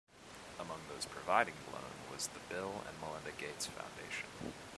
Among those providing the loan was the Bill and Melinda Gates Foundation.